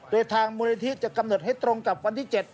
โดยทางมูลนิธิจะกำหนดให้ตรงกับวันที่๗